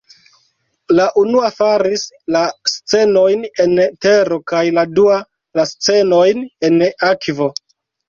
La unua faris la scenojn en tero kaj la dua la scenojn en akvo.